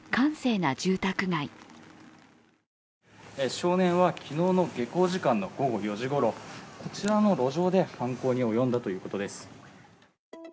少年は昨日の下校時間の午後４時ごろ、こちらの路上で犯行に及んだということです。